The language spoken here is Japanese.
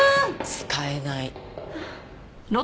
使えない。